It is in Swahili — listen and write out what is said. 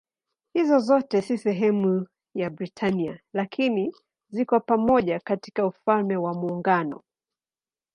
Hizi zote si sehemu ya Britania lakini ziko pamoja katika Ufalme wa Muungano.